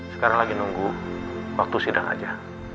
sekarang lagi nunggu waktu sidang aja